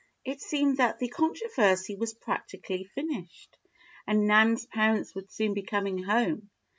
It seemed that the controversy was practically finished, and Nan's parents would soon be coming home.